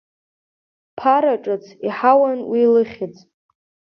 Ԥара ҿыц иаҳауан уи лыхьӡ…